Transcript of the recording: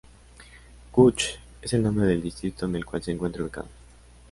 Kutch es el nombre del distrito en el cual se encuentra ubicado.